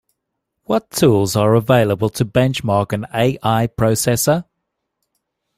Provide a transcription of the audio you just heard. What tools are available to benchmark an A-I processor?